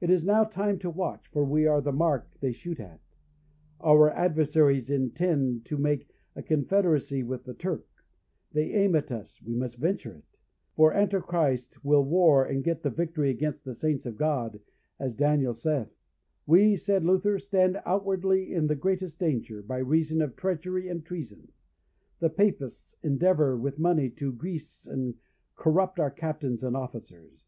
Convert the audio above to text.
It is now time to watch, for we are the mark they shoot at; our adversaries intend to make a confederacy with the Turk; they aim at us, we must venture it; for Antichrist will war and get the victory against the saints of God, as Daniel saith. We, said Luther, stand outwardly in the greatest danger, by reason of treachery and treason; the Papists endeavour with money to grease and corrupt our captains and officers.